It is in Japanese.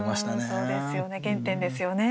そうですよね原点ですよね。